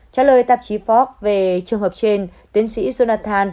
trả lời tạp chí forbes về trường hợp trên tiến sĩ jonathan frenberg